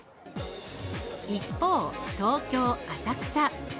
一方、東京・浅草。